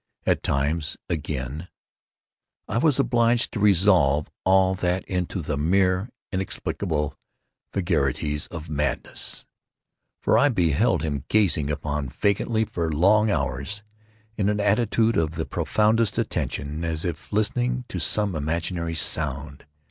At times, again, I was obliged to resolve all into the mere inexplicable vagaries of madness, for I beheld him gazing upon vacancy for long hours, in an attitude of the profoundest attention, as if listening to some imaginary sound.